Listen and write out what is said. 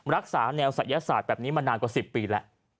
รักษาแนวศัยศาสตร์แบบนี้มานานกว่า๑๐ปีแล้ว